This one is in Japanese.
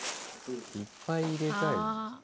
「いっぱい入れたい？」